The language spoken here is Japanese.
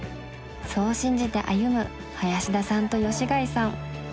そう信じて歩む林田さんと吉開さん。